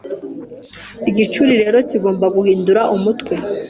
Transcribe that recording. Igicuri rero kigomba guhindura umutwe